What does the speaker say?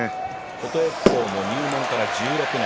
琴恵光も入門から１６年